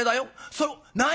それを何？